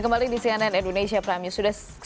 kembali di cnn indonesia prime news